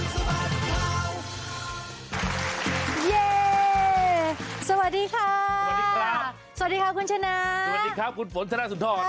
สวัสดีค่ะสวัสดีครับสวัสดีค่ะคุณชนะสวัสดีครับคุณฝนธนสุนทร